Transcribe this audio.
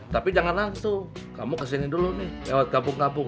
tapi jangan langsung kamu kesini dulu nih lewat gabung gabung